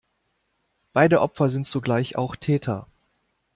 Beide Opfer sind zugleich auch Täter.